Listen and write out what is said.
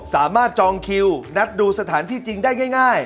จองคิวนัดดูสถานที่จริงได้ง่าย